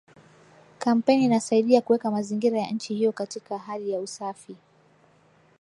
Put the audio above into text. Kampeni inasaidia kuweka mazingira ya nchi hiyo katika hali ya usafi